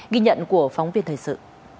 ghi nhận của phóng viên thời sự